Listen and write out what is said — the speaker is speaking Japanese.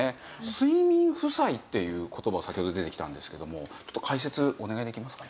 睡眠負債っていう言葉先ほど出てきたんですけども解説お願いできますか？